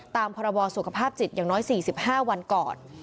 พรบสุขภาพจิตอย่างน้อย๔๕วันก่อน